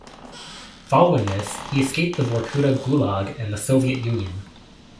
Following this, he escaped the Vorkuta gulag and the Soviet Union.